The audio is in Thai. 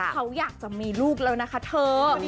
เขาอยากจะมีลูกแล้วนะคะเธอ